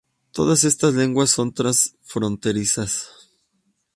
Todas estas lenguas son transfronterizas.